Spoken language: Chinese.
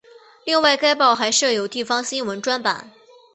另外该报还设有地方新闻专版。